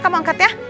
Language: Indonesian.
kamu angkat ya